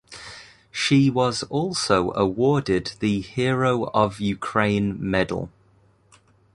She was also awarded the Hero of Ukraine medal.